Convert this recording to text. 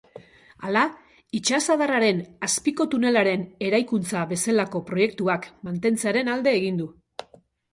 Hala, itsasadarraren azpiko tunelaren eraikuntza bezalako proiektuak mantentzearen alde egin du.